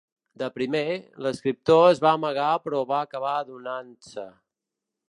De primer, l’escriptor es va amagar però va acabar donant-se.